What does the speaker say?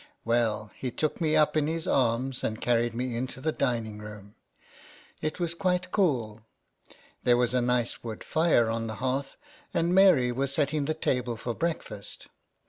Well, he took me up in his arms, and carried me into the dining room ; it was quite cool ; there was a nice wood fire, on the hearth, and Mary was setting the table for breakfast.